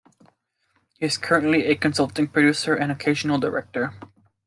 He is currently a consulting producer and occasional director.